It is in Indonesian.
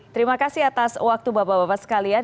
terima kasih atas waktu bapak bapak sekalian